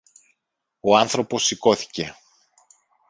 Ο άνθρωπος σηκώθηκε